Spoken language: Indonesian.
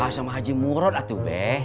sama haji murot atuh be